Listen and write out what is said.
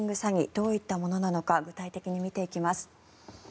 どういったものなのか具体的に見ていきます。